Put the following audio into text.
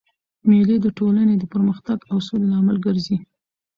مېلې د ټولني د پرمختګ او سولي لامل ګرځي.